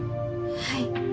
はい。